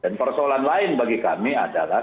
dan persoalan lain bagi kami adalah